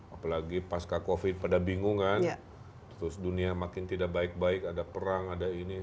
apalagi pasca covid pada bingungan terus dunia makin tidak baik baik ada perang ada ini